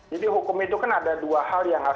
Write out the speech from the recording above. hukum itu kan ada dua hal yang harus